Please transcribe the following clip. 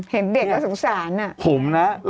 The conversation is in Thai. เห็นเด็กก็สงสาร